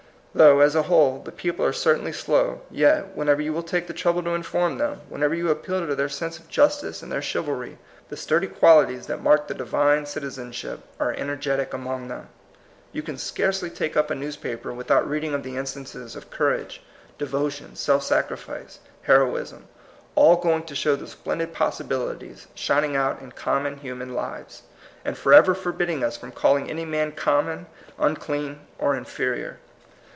Though, as a whole, the peo ple are certainly slow, yet, whenever you will take the trouble to inform them, when ever you appeal to their sense of justice THE IDEAL DEMOCRACY. 147 and their chivalry, the sturdy qualities that mark the divine citizenship are energetic among them. You can scarcely take up a newspaper without reading of the instances of courage, devotion, self sacrifice, heroism, — all going to show the splendid possibili ties shining out in common human lives, and forever forbidding us from calling any man common, unclean, or inferior.